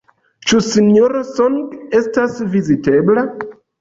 Ĉu Sinjoro Song estas vizitebla?